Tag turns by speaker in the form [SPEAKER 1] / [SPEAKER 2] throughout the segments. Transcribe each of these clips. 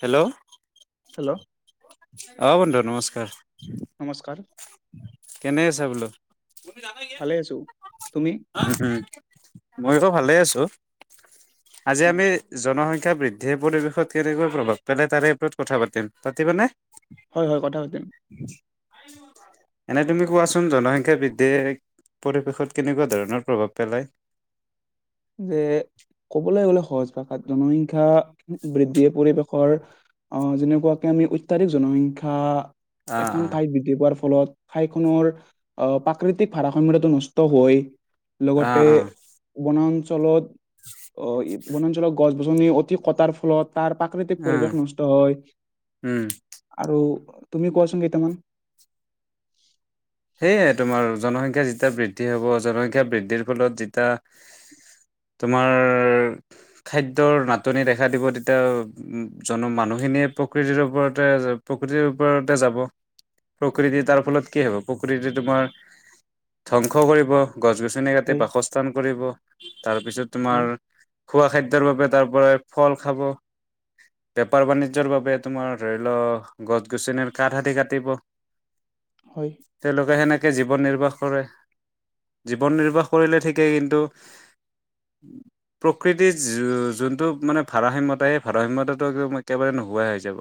[SPEAKER 1] Hello
[SPEAKER 2] hello
[SPEAKER 1] অ, বন্ধু নমস্কাৰ।
[SPEAKER 2] নমস্কাৰ
[SPEAKER 1] কেনে আছা বোলো?
[SPEAKER 2] ভালে আছো তুমি
[SPEAKER 1] [unintelligible] মই ভালে আছো। আজি
[SPEAKER 2] হয়
[SPEAKER 1] আমি জনসং শিক্ষা বৃদ্ধিয়ে পৰিৱেশত কেনেকুৱা প্ৰভাৱ পেলায় তাৰে ওপৰত কথা পাতিম, পাতিবাানে?
[SPEAKER 2] হয় হয় কথা পাতিম।
[SPEAKER 1] এনে তুমি কোৱাচোন জনসংখ্যা বৃদ্ধিয়ে পৰিৱেশত কেনেকুৱা ধৰণৰ প্ৰভাৱ পেলায়?
[SPEAKER 2] যে ক'বলৈ গ'লে সহজ জনসংখ্যা বৃদ্ধিয়ে পৰিৱেশৰ অ, যেনেকুৱাকে আমি অত্যাধিক জনসংখ্যা
[SPEAKER 1] আহ
[SPEAKER 2] এখন ঠাইত বৃদ্ধি পোৱাৰ ফলত ঠাইখনৰ অ-প্ৰাকৃতিক ভাৰাসাম্যতাটো নষ্ট হৈ
[SPEAKER 1] অ
[SPEAKER 2] লগতে
[SPEAKER 1] আহ
[SPEAKER 2] বনা তলত অ-বনাঞ্চলৰ গছ-গছনি অতি কটাৰ ফলত তাৰ প্ৰাকৃতিক
[SPEAKER 1] অ উম
[SPEAKER 2] পৰিৱেশ নষ্ট হয়,
[SPEAKER 1] উম
[SPEAKER 2] আৰু তুমি কোৱাচোন কেইটামান।
[SPEAKER 1] সেয়াই তোমাৰ জনসংখ্যা যেতিয়া বৃদ্ধি হ'ব জনসংখ্যা বৃদ্ধিৰ ফলত যেতিয়া, তোমাৰ খাদ্যৰ নাটনি দেখা দিব তেতিয়া অ-উম-জন-মানুহখিনিয়ে প্ৰকৃতিৰ ওপৰতে জ-প্ৰকৃতিৰ ওপৰতে যাব, প্ৰকৃতিৰ তাৰ ফলত কি হ'ব প্ৰকৃতি তোমাৰ ধ্বংস কৰিব। গছ-গছনি কাটি
[SPEAKER 2] হয়
[SPEAKER 1] বাসস্থান কৰিব। তাৰ পিছত তোমাৰ,
[SPEAKER 2] হয়
[SPEAKER 1] খোৱা খাদ্যৰ বাবে তাৰ পৰাই ফল খাব, বেপাৰ বাণিজ্যৰ বাবে তোমাৰ ধৰিলও গছ-গছনিৰ কাঠ আদি কাটিব।
[SPEAKER 2] হয়
[SPEAKER 1] তেওঁলোকে সেনে কে জীৱন নিৰ্বাহ কৰে, জীৱন নিৰ্বাহ কৰিলে ঠিকে কিন্তু, প্ৰকৃতিৰ য-যোনটো মানে ভাৰসাম্যতা সেই ভাৰসাম্যতাটো এক-একেবাৰে নোহোৱা হৈ যাব।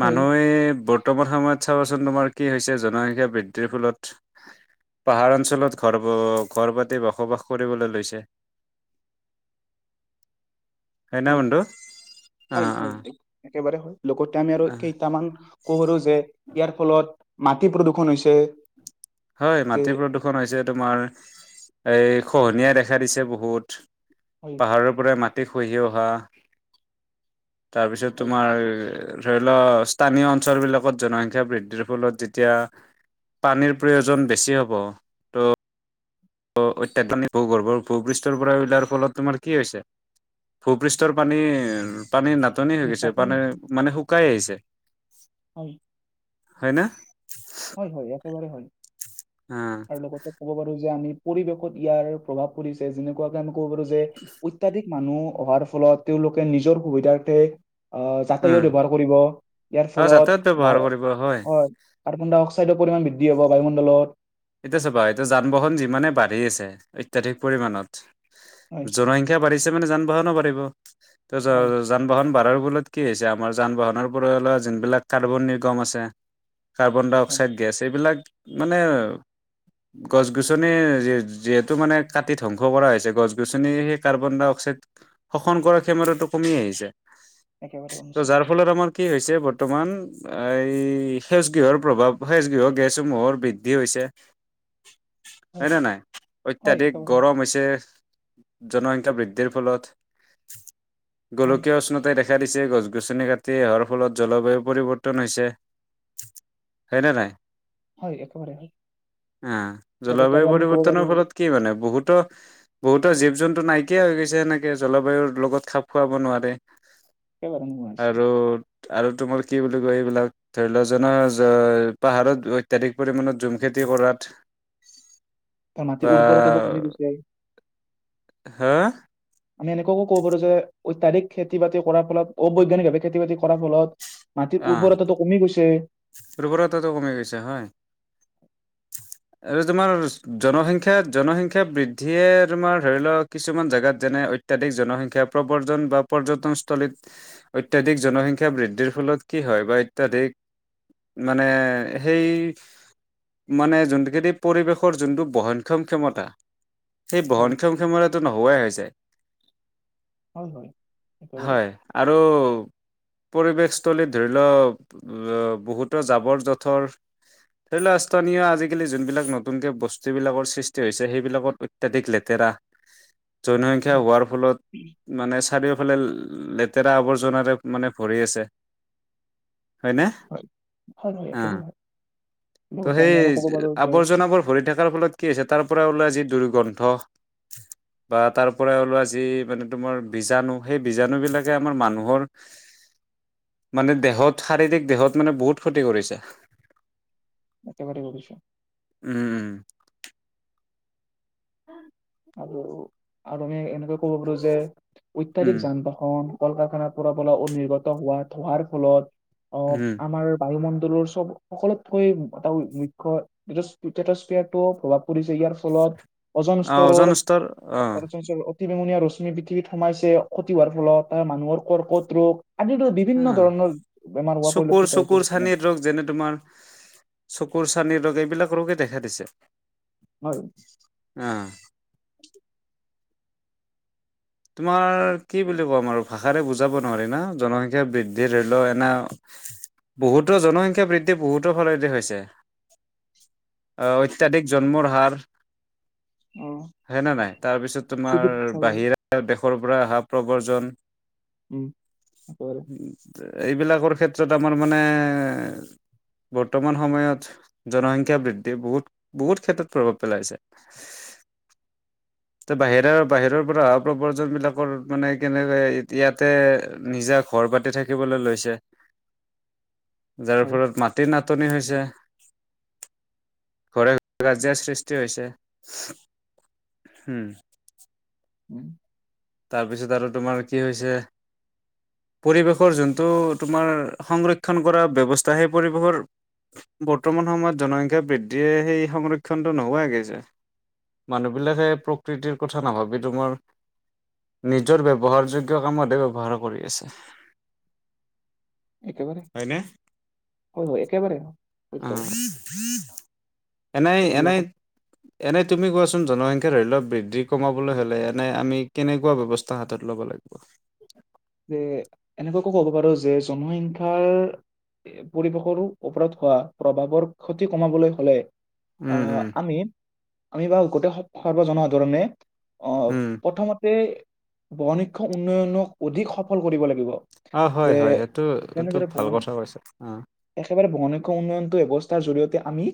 [SPEAKER 2] হয়
[SPEAKER 1] মানুহে ব সময় চাবা তোমাৰ কি হৈছে জনসংখ্যা বৃদ্ধিৰ ফলত পাহাৰ অঞ্চলত ঘৰ-ঘৰ পাতি বসবাস কৰিবলৈ লৈছে। হয়নে
[SPEAKER 2] হয়
[SPEAKER 1] বন্ধু? অ,
[SPEAKER 2] হয়
[SPEAKER 1] অ।
[SPEAKER 2] হয় একেবাৰে হয়। লগতে আমি আৰু
[SPEAKER 1] অ
[SPEAKER 2] কেইটামান ক'ব পাৰো যে ইয়াৰ ফলত মাটি প্ৰদূষণ হৈছে।
[SPEAKER 1] হয়,
[SPEAKER 2] যে
[SPEAKER 1] মাটি প্ৰদূষণ হৈছে তোমাৰ এই খহনীয়াই দেখা দিছে বহুত
[SPEAKER 2] হয়
[SPEAKER 1] পাহাৰৰ পৰা মা খহি অহা তাৰ পিছত
[SPEAKER 2] হয়
[SPEAKER 1] তোমাৰ ধৰি লও স্থানীয় অঞ্চল বিলাকত জন সংখ্যা বৃদ্ধিৰ ফলত যেতিয়া পানীৰ প্ৰয়োজন বেছি হ'ব ত' অত্যাধুনিক ভূগৰ্ভ ভূপৃষ্ঠৰ পৰা উলাৰ ফলত তোমাৰ কি হৈছে ভূপৃষ্ঠৰ পানী পানীৰ নাটনি হৈ গৈছে
[SPEAKER 2] উত্তাপন
[SPEAKER 1] পানীৰ
[SPEAKER 2] হৈছে
[SPEAKER 1] মানে কাই আহছে
[SPEAKER 2] হয়
[SPEAKER 1] হয়নে
[SPEAKER 2] হয় হয় একেবাৰে হয়
[SPEAKER 1] অ
[SPEAKER 2] আৰু লগতে ক'ব পাৰো যে আমি পৰিৱেশত ইয়াৰ প্ৰভাৱ পৰিছে যেনেকুৱাকে ক'ব পাৰো যে অত্যাধিক মানুহ অহাৰ ফলত তেওঁলোকে নিজৰ সুবিধাৰ্থে অহ
[SPEAKER 1] উম
[SPEAKER 2] যাতায়ত ব্যৱহাৰ কৰিব ইয়াৰ
[SPEAKER 1] আৰু
[SPEAKER 2] ফলত
[SPEAKER 1] যাতায়াত
[SPEAKER 2] বা
[SPEAKER 1] ব্যৱহাৰ কৰিব
[SPEAKER 2] হয় কাৰ্বনডাই অক্সাইডৰ পৰিমান বৃদ্ধি হব বায়ুমণ্ডলত
[SPEAKER 1] এতিয়া চাবা এতিয়া যান বাহন যিমানেই বাঢ়ি আছে অত্যাধিক পৰিমাণত
[SPEAKER 2] হয়
[SPEAKER 1] জনসংখ্যা বাঢ়িছে পিছত মানে যান বাহও পাৰিব ত
[SPEAKER 2] হয়
[SPEAKER 1] যান বাহন বাঢ়াৰ বোলে কি হৈছে আমাৰ যান বাহনৰ পৰা ওলোৱা যোনবিলাক কাৰ্বন নিৰ্গম আছে কাৰ্বন ডাই
[SPEAKER 2] হয়
[SPEAKER 1] অক্সাইড গেছ এইবিলাক মানে গছ গছনি যিহেতু মানে কাটি ধ্বংস কৰা হৈছে গছ গছনি সেই কাৰ্বন ডাই অক্সাইড শোষন কৰাৰ ক্ষমতাটো কমি আহিছে
[SPEAKER 2] একেবাৰে
[SPEAKER 1] ত'
[SPEAKER 2] উন্নিচ
[SPEAKER 1] যাৰ ফলত আমাৰ কি হৈছে বৰ্তমান এই সেউছ গৃহৰ প্ৰভাৱ সেউছ গৃহ গেছসমূহৰ বৃদ্ধি হৈছে হয় নে নাই
[SPEAKER 2] হয়
[SPEAKER 1] অত্যাধিক
[SPEAKER 2] একেবাৰে
[SPEAKER 1] গৰম হৈছে জনসংখ্যা বৃদ্ধিৰ ফলত
[SPEAKER 2] হয়
[SPEAKER 1] গোলকীয় উষ্ণতাই দেখা দেখা দিছে গছ গছনি কাটি অহাৰ ফলত জলবায়ু পৰিৱৰ্তন হৈছে হয়নে নাই
[SPEAKER 2] হয় একেবাৰে হয়
[SPEAKER 1] অহ
[SPEAKER 2] লগতে আৰু
[SPEAKER 1] জলবায়ু
[SPEAKER 2] আমি ক'ব পাৰো
[SPEAKER 1] পৰিৱৰ্তনৰ ফলত কি মানে বহুত ত বহুতৰ জীৱ জন্তু নাইকিয়া হৈ গৈছে এনেকে জলবায়ুৰ লগত খাপ খুৱাব নোৱাৰে
[SPEAKER 2] এে মছেো
[SPEAKER 1] আৰু
[SPEAKER 2] [unintelligible]
[SPEAKER 1] আৰু তোমাৰ কি বুলি কয় এইবিলাক ধৰি লোৱা জন পাহাৰত অত্যাধিক পৰিমণত জুম খেতি কৰাত
[SPEAKER 2] ত মাটি
[SPEAKER 1] বা
[SPEAKER 2] উৰবৰত টোক কমি গৈছে
[SPEAKER 1] হা?
[SPEAKER 2] আমি এনেকুৱাকো কব পাৰো যে অত্যাধিক খেতি বাতি কৰাৰ ফলত অবৈধানিক খেতি বাতি কৰাৰ ফলত। মাটিৰ উৰ্বৰতাটো কমি গৈছে।
[SPEAKER 1] উ্বৰতাটো কমি গৈছে হয় আৰু তোমাৰ জনসংখ্য জনসংখ্য বৃদ্ধিয়ে তোমাৰ ধৰি লওক কিছুমান জোগাত যেনে অত্যাধিক জনসংখ্যা প্ৰৱজন বা পৰ্যটনস্থলীত ঐতায়াধিক জনসংখ্য বৃদ্ধিৰ ফলত কি হয় বা অত্যাধিক মানে সেই মানে যোনটোখেদি পৰিৱেশৰ যোনটো বহনক্ষম ক্ষমতা। সেই
[SPEAKER 2] হয়
[SPEAKER 1] বহন ক্ষম ক্ষমত টো নোহোৱাই হৈ যায় ।
[SPEAKER 2] হয়-হয় একেবাৰে।
[SPEAKER 1] আৰু পৰিৱেশস্থলীত ধৰি লওক বহুতো জাবৰ জোথৰ ধৰি লও স্থানীয় আজিকালি যোনবিলাক নতুনকে বস্তুবিলাকৰ সৃষ্টি হৈছে, সেইবিলাকত অত্যাধিক লেতেৰা জনসংখ্য
[SPEAKER 2] হয়
[SPEAKER 1] হোৱাৰ ফলত মানে চাৰিওফালে লেতেৰা আৱৰ্জনাৰে মানে ভৰি আছে হয়নে?
[SPEAKER 2] হয় হয় হয় একেবাৰে
[SPEAKER 1] অ'
[SPEAKER 2] হয়
[SPEAKER 1] ত'
[SPEAKER 2] লগতে
[SPEAKER 1] সেই
[SPEAKER 2] আমি আৰু ক'ব পাৰো যে
[SPEAKER 1] আৱৰ্জনাবোৰ ভৰি থকাৰ ফলত কি আ হৈছে তাৰ পৰা ওলাই যি দুৰ্গ্ৰন্ধ বা তাৰ পৰা ওলোৱা যি মানে তোমাৰ বীজাণু সেই বীজাণু বিলাকে আমাৰ মানুহৰ মানে দেহত শাৰীৰিক দেহত মানে বহুত ক্ষতি কৰিছে।
[SPEAKER 2] একেবাৰে কৰিছে ।
[SPEAKER 1] উম-উম।
[SPEAKER 2] আৰু-আৰু আমি এনে ক'ব পাৰো যে
[SPEAKER 1] উম,
[SPEAKER 2] অত্যাধিক যান-বাহন। কল-কাৰখানা পৰা ওলোৱা অনিৰ্গত হোৱাত ধোঁৱাৰ ফলত
[SPEAKER 1] উম,
[SPEAKER 2] অ' আমাৰ বায়ুমণ্ডল সকলোতকৈ এটা মুখ্য তেটচপিয়াৰ প্ৰভাৱ পৰিছে ইয়াৰ ফলত অজন
[SPEAKER 1] অ',
[SPEAKER 2] স্তৰৰ
[SPEAKER 1] ওজন স্তৰ অ',
[SPEAKER 2] অটি বেঙুনীয়া ৰশ্মি পৃথিবিত সোঁমাইছে ক্ষতি হোৱাৰ ফলত মানুহৰ কৰ্কট ৰোগ আদিতো বিভিন্ন
[SPEAKER 1] হ
[SPEAKER 2] ধৰণৰ বেমাৰ হোৱা পৰিলক্ষিত হৈছে
[SPEAKER 1] চকুৰ-চকুৰ
[SPEAKER 2] বৰ্তমান
[SPEAKER 1] চানিৰ ৰোগ যেনে তোমাৰ চকুৰ চানি চানী ৰোগ এইবিলাক ৰোগে দেখা দিছে
[SPEAKER 2] হয়
[SPEAKER 1] । অ তোমাৰ কি বুলি কম আৰু ভাষাৰে বুজাব নোৱাৰি না জনসংখ্য বৃদ্ধি ধৰি লও এনে বহুতো জনসংখ্যয়া বৃদ্ধি বহুতৰ ফালেদি হৈছে অহ অত্যয়াধিক জন্মৰ হাৰ। হেনে নাই তাৰপিছত তোমাৰ
[SPEAKER 2] চিকিৎসা
[SPEAKER 1] বাহিৰা দেশৰ পৰা আহা প্ৰব্ৰজন।
[SPEAKER 2] উম একেবাৰে ।
[SPEAKER 1] এইবিলাকৰ ক্ষেত্ৰত আমাৰ মানে বৰ্তমান সময়ত জনসংখ্য বৃদ্ধি বহুত-বহুত ক্ষেত্ৰত প্ৰভাৱ পেলাইছে তে বাহিৰে-বাহিৰৰ পৰা অহা। প্ৰবজন বিলাকৰ মানে কেনেকৈ ইয়াতে নিজা ঘৰ পাতি থাকিবলৈ লৈছে যাৰ
[SPEAKER 2] হয়
[SPEAKER 1] ফলত মাটি নাট । নাটনি হৈছে ।
[SPEAKER 2] উম
[SPEAKER 1] কাজিয়াৰ সৃষ্টি হৈছে। হম
[SPEAKER 2] উম [inaudible]
[SPEAKER 1] তাৰপিছত আৰু তোমাৰ কি হৈছে পৰিৱেশৰ যোনটো তোমাৰ সংৰক্ষণ কৰা ব্যৱস্থা সেই পৰিৱেশৰ বৰ্তমান সময়ত জনসংখ্যা বৃদ্ধিয়ে সেই সংৰক্ষণটো নোহোৱাই গৈছে মানুহবিলাকে প্ৰকৃতিৰ কথা নাভাবি তোমাৰ নিজৰ ব্যৱহাৰযোগ্য
[SPEAKER 2] একেবাৰে
[SPEAKER 1] হয়নে
[SPEAKER 2] হয় হয় একেবাৰে
[SPEAKER 1] অ
[SPEAKER 2] সত্য কথা
[SPEAKER 1] এনে এনে
[SPEAKER 2] লগতে
[SPEAKER 1] এনেই নতুন জনসংখ্যাৰ ধৰি লওক বৃদ্ধি কমাবলৈ হ'লে এনে আমি কেনেকুৱা ব্যৱস্থা হাতত ল'ব লাগিব [inaudible]
[SPEAKER 2] যে এনেকুৱাকো কব পাৰো যে জনসংখ্যাৰ পৰিৱেশৰ ওপৰত হোৱা প্ৰভাৱৰ ক্ষতি কমাবলৈ হ'লে
[SPEAKER 1] উম
[SPEAKER 2] আহ
[SPEAKER 1] উম
[SPEAKER 2] আমি আমি বাৰ গোটেই সৰ্ব জনসাধাৰণে অ
[SPEAKER 1] উম
[SPEAKER 2] প্ৰথমতে [inaudible] বনশিক্ষ উন্নয়নৰ অধিক সফল কৰিব লাগিব
[SPEAKER 1] অ হয়
[SPEAKER 2] যে
[SPEAKER 1] হয় সেইটো এইটো
[SPEAKER 2] তেনেদৰে
[SPEAKER 1] ভাল
[SPEAKER 2] বহন
[SPEAKER 1] কথা কৈছা অ
[SPEAKER 2] একেবাৰে বহন উন্নয়নটো ব্যৱস্থাৰ জৰিয়তে আমি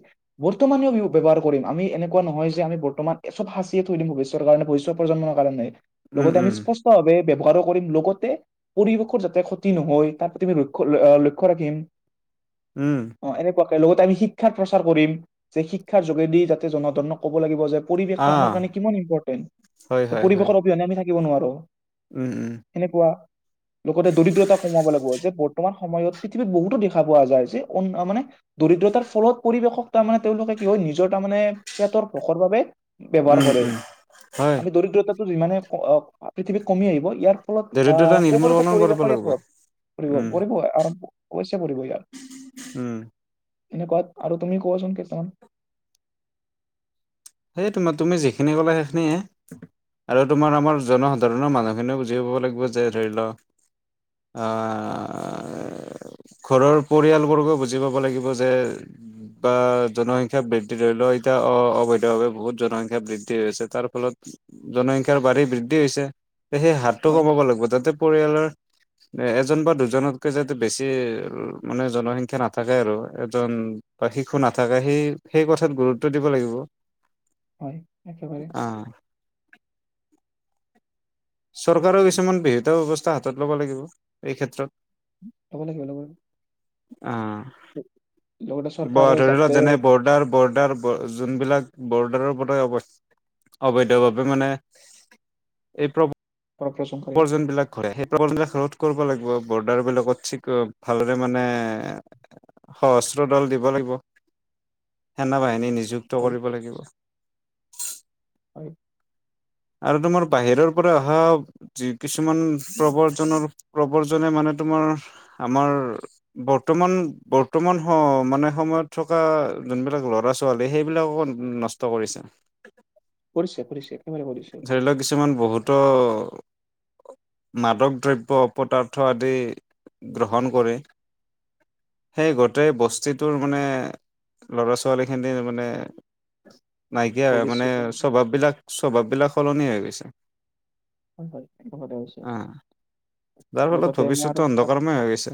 [SPEAKER 2] বৰ্তমানেও ব্যৱহাৰ কৰিম আমি এনেকুৱা নহয় যে আমি বৰ্তমান চব সাঁচিয়ে থৈ দিম ভৱিষ্যৰ কাৰণে ভৱিষ্য প্ৰজন্মৰ কাৰণে [inaudible]
[SPEAKER 1] উম
[SPEAKER 2] লগতে আমি
[SPEAKER 1] উম
[SPEAKER 2] স্পষ্ট ভাবে ব্যৱহাৰ কৰিম লগতে পৰিৱেশৰ যাতে ক্ষতি নহয় তাৰ প্ৰতি আমি লক্ষ্ লক্ষ্য ৰাখিম
[SPEAKER 1] উম,
[SPEAKER 2] [inaudible] অ এনেকুৱা লগতে আমি শিক্ষাৰ প্ৰচাৰ কৰিম যে শিক্ষাৰ যোগেদি যাতে জনাধাৰণক ক'ব লাগিব যে পৰিৱেশ
[SPEAKER 1] আহ
[SPEAKER 2] আমাৰ কাৰণে কিমান ইম্পেৰ
[SPEAKER 1] হয় হয়
[SPEAKER 2] পৰিৱেশ
[SPEAKER 1] হয়
[SPEAKER 2] অভিয়নে আমি থাকি কি বোনোৱা আৰো [inaudible]
[SPEAKER 1] উম উম
[SPEAKER 2] কেনেকুৱা [inaudible] লগতে দৰিদ্ৰতা কমাব লাগিব যে বৰ্তমান সময়ত পৃথিৱীত বহুতো দেখা পোৱা যায় যে মানে দৰিদ্ৰতাৰ ফলত পৰিৱেশক তাৰ মানে তেওঁলোকে কি হয় নিজৰ তাৰমানে পেটৰ ভুকৰ বাবে [inaudible] ব্যৱহাৰ
[SPEAKER 1] উম
[SPEAKER 2] কৰে
[SPEAKER 1] উম হয়
[SPEAKER 2] আমি দৰিদ্ৰতা যিমানে অ পৃথিৱীত কমি আহিব ইয়াৰ ফলত
[SPEAKER 1] দৰিদ্ৰতা
[SPEAKER 2] আহ ক'বতৈছে
[SPEAKER 1] নিৰ্মূলকৰণ কৰিব
[SPEAKER 2] পৰিৱেশৰ ইয়াৰ
[SPEAKER 1] লাগিব
[SPEAKER 2] ফলত পৰি
[SPEAKER 1] উম
[SPEAKER 2] পৰিব আৰু [inaudible] কচ পৰিব ইয়াৰ
[SPEAKER 1] উম
[SPEAKER 2] [inaudible] এনেকুৱা আৰু তুমি কোৱাচোন কেইটামান [inaudible]
[SPEAKER 1] সেইয় তোমাৰ তুমি যিখিনি ক'লো সেইখিনিয়ে আৰু তোমাৰ আমাৰ জনসাধাৰণৰ মানুহখিনিও বুজি পাব লাগিব যে ধৰি লও অহ ঘৰৰ পৰিয়ালবৰ্গও বুজি পাব লাগিব যে বা জনসংখ্যা বৃদ্ধি ধৰি লও এতিয়া অ অবৈ বহুত জনসংখ্যা বৃদ্ধিছে তাৰ ফলত জনসংখ্যাৰ বাঢ়ি বৃদ্ধি হৈছে [inaudible] তে সেই হাতটো
[SPEAKER 2] হয়
[SPEAKER 1] কমাব লাগিব তাতে পৰিয়ালৰ এজন বা দুজনতকে যাতে বেছি মানে জনসংখ্যা নাথাকে আৰু এজন বা শিশু নাথাকে সেই সেই কথাত গুৰুত্ব দিব লাগিব
[SPEAKER 2] হয় একেবাৰে
[SPEAKER 1] আহ চৰকাৰেও কিছুমান বিহিত ব্যৱস্থা হাতত ল'ব লাগিব এই ক্ষেত্ৰত
[SPEAKER 2] ল'ব লাগিব অলমান
[SPEAKER 1] অ
[SPEAKER 2] চৰকাৰে
[SPEAKER 1] ধৰি লওক
[SPEAKER 2] যাতে
[SPEAKER 1] যেনে বৰ্ডাৰ বৰ্ডাৰ যোনবিলাক বৰ্ডাৰৰ [unintelligible] অবৈধভাৱে মানে অবৈধভাৱে মানে এই
[SPEAKER 2] প্ৰচন কৰে
[SPEAKER 1] প্ৰৱজনবিলাক ঘৰে সেই প্ৰৱজন ঘৰত কৰব লাগিব বৰ্ডাৰ বিলাকত চিকট ভাল দৰে মানে সহস্ৰ দল দিব লাগিব সেন বাহিনী নিজ যুক্ত
[SPEAKER 2] হয়
[SPEAKER 1] কৰিব লাগিব
[SPEAKER 2] [unintelligible]
[SPEAKER 1] আৰু তোমাৰ বাহিৰৰ পৰা অহা যি কিছুমান প্ৰৱজনৰ প্ৰৱজনে মানে তোমাৰ আমাৰ বৰ্তমান বৰ্তমান মানে সময়ত থকা যোনবিলাক লৰা ছোৱালী সেইবিলাককো নষ্ট কৰিছে
[SPEAKER 2] কৰিছে কৰিছে একেবাৰে কৰিছে
[SPEAKER 1] ধৰি লওক কিছুমান বহুত ট মাদক দ্ৰব্যপদাৰ্থ আদি গ্ৰহণ কৰে সেই গোটেই বস্তিটোৰ মানে ল'ৰা ছোৱালীখিনিৰ মানে নাইকিয়া মানে
[SPEAKER 2] ভৱিষ্যতে
[SPEAKER 1] স্বভাৱ বিলাক স্বভাৱ বিলাক সলনি হৈ গৈছে
[SPEAKER 2] হয় হয় অন্ধকাৰে হৈছে
[SPEAKER 1] অ যাৰ ফলত
[SPEAKER 2] লগতে মই আৰু
[SPEAKER 1] ভৱিষ্যতটো অন্ধকাৰময় হৈ গৈছে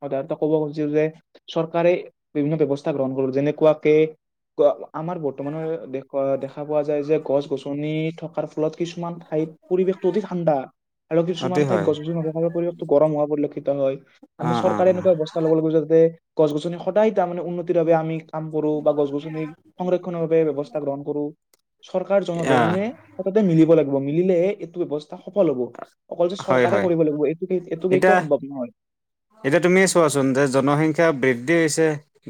[SPEAKER 2] সাধাৰণতে কব খুজি যে চৰকাৰে বিভিন্ন ব্যৱস্থা গ্ৰহণ কৰো যেনেকুৱাকে আমাৰ বৰ্তমানৰ দে দেখা পোৱা যায় যে গছ গছনি থকা তাৰ ফলত কিছুমান ঠাইত পৰিৱেশতটো অতি ঠাণ্ডা আৰু
[SPEAKER 1] অতি
[SPEAKER 2] কিছুমান ঠাইত
[SPEAKER 1] হয়
[SPEAKER 2] গছ নথকা পৰিৱেশটো গৰম হোৱা পৰিলক্ষিত হয় আমি
[SPEAKER 1] অ অ
[SPEAKER 2] চৰকাৰ
[SPEAKER 1] অ
[SPEAKER 2] একুৱা ব্যৱস্থা ল'ব লাগে যাতে গছ গছনি সদায় তাৰ মানে উন্নতিৰ বাবে আমি কাম কৰো বা গছ গছনি সংৰক্ষণ বাবে ব্যৱস্থা গ্ৰহণ কৰো চৰকাৰ
[SPEAKER 1] আহ
[SPEAKER 2] জনাধাৰণে সততে মিলিব লাগিব মিলিলে এইটো ব্যৱস্থা সফল হব অকল যে
[SPEAKER 1] হয়
[SPEAKER 2] চৰকাৰে
[SPEAKER 1] হয়
[SPEAKER 2] কৰিব লাগিব এইটো এইটো
[SPEAKER 1] এতিয়া
[SPEAKER 2] কেইয়াও সম্ভৱ নহয়
[SPEAKER 1] শিক্ষা বৃদ্ধি হৈছে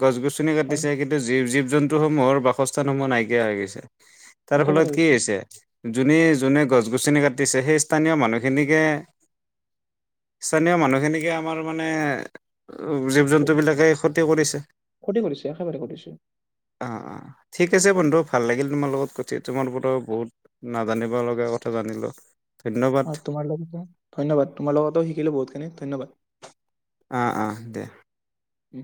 [SPEAKER 1] গছ গছনি
[SPEAKER 2] হয়,
[SPEAKER 1] কাটিছে কিন্তু জীৱ জীৱ জন্তুসমূহৰ বাস সস্থা সমূহ নাইকিয়া হৈ গৈছে তাৰ ফলত কি হৈছে যোনে যোনে গছ গছ খিনি কাঠি আছে স্থানীয় মানুহখিনিকে স্থানীয় মানুহখিনিকে আমাৰ মানে জীৱ জন্তুবিলাকে ক্ষতি কৰিছে
[SPEAKER 2] ক্ষতি কৰিছে, একেবাৰে কৰিছে।
[SPEAKER 1] অ অ ঠিক আছে বন্ধু ভাল লাগিল তোমাৰ লগত কঠ তোমাৰ ৰতো বহুত নাজানিব লগা কথা জানিলো ধন্যবাদ
[SPEAKER 2] অ তোমাৰ লগতো ধন্যবাদ তোমাৰ লগতো শিকিলো বহুতখিনি ধন্যবাদ
[SPEAKER 1] অ অ দে
[SPEAKER 2] উম